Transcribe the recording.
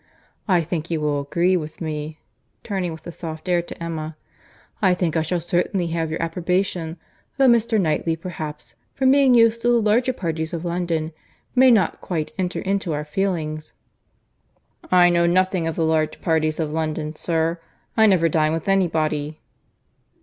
I think you will agree with me, (turning with a soft air to Emma,) I think I shall certainly have your approbation, though Mr. Knightley perhaps, from being used to the large parties of London, may not quite enter into our feelings." "I know nothing of the large parties of London, sir—I never dine with any body."